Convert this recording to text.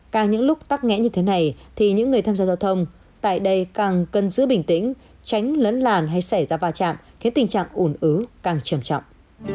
càng những lúc tắc nghẽn như thế này thì những người tham gia giao thông tại đây càng cần giữ bình tĩnh tránh lấn làn hay xảy ra va chạm khiến tình trạng ủn ứ càng trầm trọng